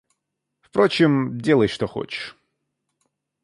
Впрочем, делай, что хочешь...